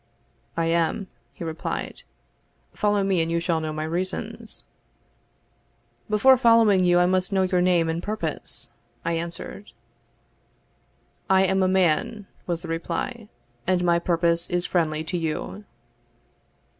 "I am," he replied. "Follow me, and you shall know my reasons." "Before following you, I must know your name and purpose," I answered. "I am a man," was the reply; "and my purpose is friendly to you."